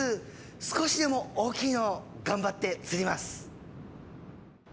少しでも大きいのを頑張って釣ります！